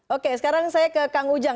oke sekarang saya ke kang ujang